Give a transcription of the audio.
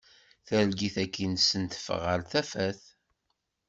Targit-agi-nsen teffeɣ ɣer tafat.